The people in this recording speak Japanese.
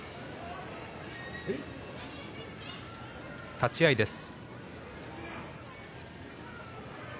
立ち合いです。